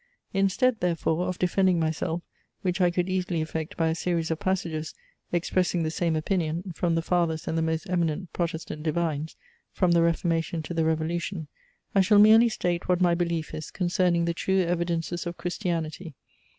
Instead, therefore, of defending myself, which I could easily effect by a series of passages, expressing the same opinion, from the Fathers and the most eminent Protestant Divines, from the Reformation to the Revolution, I shall merely state what my belief is, concerning the true evidences of Christianity.